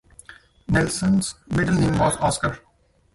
Nelson's middle name was Oscar.